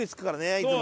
いつも。